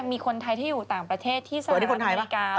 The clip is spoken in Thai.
มีคนไทยที่อยู่ต่างประเทศที่สหรัฐอเมริกา